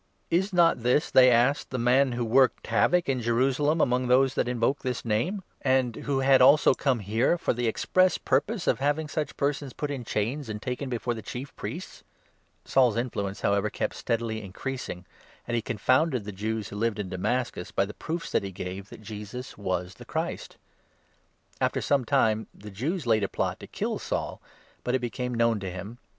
" Is not this," they asked, " the man who worked havoc in Jerusalem among those that invoke this Name, and who had THE ACTS, 9. 231 also come here for the express purpose of having such persons put in chains and taken before the Chief Priests ?" Saul's influence, however, kept steadily increasing, and he 22 confounded the Jews who lived in Damascus by the proofs that he gave that Jesus was the Christ. After some time the Jews laid a plot to kill Saul, but it 23 became known to him.